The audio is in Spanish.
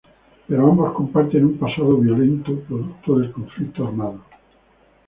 Pero ambos comparten un pasado violento producto del conflicto armado.